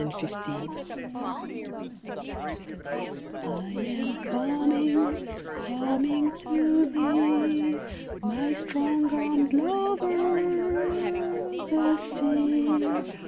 SWIMMING SONG I am coming, coming to thee, My strong armed lover, the Sea!